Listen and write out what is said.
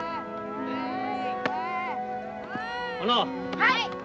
はい。